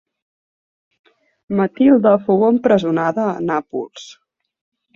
Matilde fou empresonada a Nàpols.